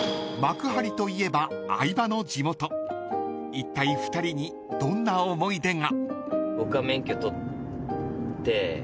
［いったい２人にどんな思い出が？］